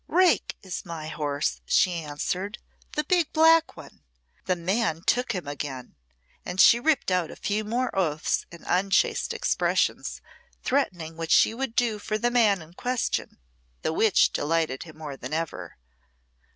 "Rake is my horse," she answered "the big black one. The man took him again;" and she ripped out a few more oaths and unchaste expressions, threatening what she would do for the man in question; the which delighted him more than ever.